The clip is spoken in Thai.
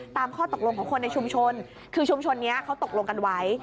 ข้อตกลงของคนในชุมชนคือชุมชนนี้เขาตกลงกันไว้